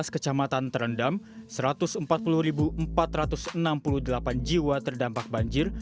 tujuh belas kecamatan terendam satu ratus empat puluh empat ratus enam puluh delapan jiwa terdampak banjir